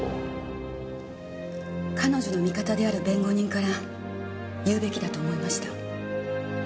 彼女の味方である弁護人から言うべきだと思いました。